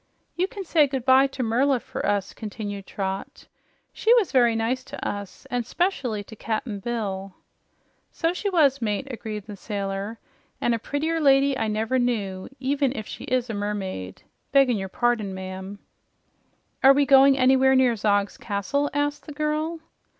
"You can say goodbye to Merla for us," continued Trot. "She was very nice to us, an' 'specially to Cap'n Bill." "So she was, mate," agreed the sailor, "an' a prettier lady I never knew, even if she is a mermaid, beggin' your pardon, ma'am." "Are we going anywhere near Zog's castle?" asked the girl.